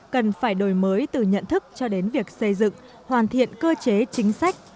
cần phải đổi mới từ nhận thức cho đến việc xây dựng hoàn thiện cơ chế chính sách